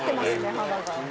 肌が。